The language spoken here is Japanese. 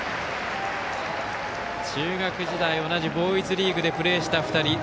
中学時代、同じボーイズリーグでプレーした２人。